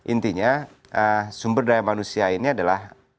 intinya sumber daya manusia ini adalah